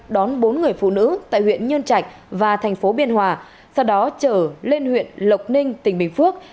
đón bốn người phụ nữ tại huyện nhơn trạch và thành phố biên hòa sau đó trở lên huyện lộc ninh tỉnh bình phước